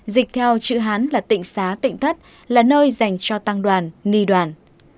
dịch theo chữ hán là tịnh xá tỉnh thất là nơi dành cho tăng đoàn ni đoàn